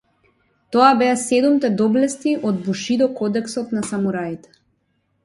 Тоа беа седумте доблести од бушидо кодексот на самураите.